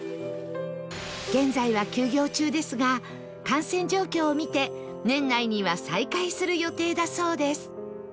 現在は休業中ですが感染状況を見て年内には再開する予定だそうです